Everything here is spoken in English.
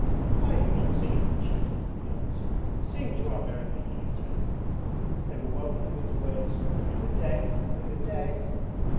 'Why are you not singing?' he shouted to the girls. 'Sing to our merry making, I tell you!' They were welcomed with the words, 'Had a good day? Had a good day?'